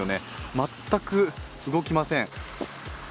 全く動きません。